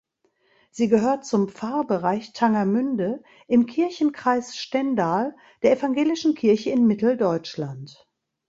Sie gehört zum Pfarrbereich Tangermünde im Kirchenkreis Stendal der Evangelischen Kirche in Mitteldeutschland.